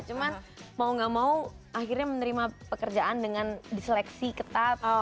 cuman mau gak mau akhirnya menerima pekerjaan dengan diseleksi ketat